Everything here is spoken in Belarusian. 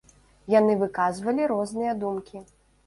Яны выказвалі розныя думкі.